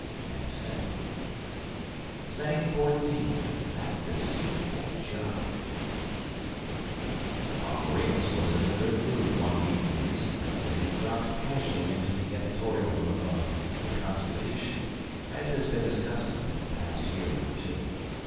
XIV. THAT DECEITFUL JUG UNCLE REMUS was in good humor one evening recently when he dropped casually into the editorial room of "The Constitution," as has been his custom for the past year or two.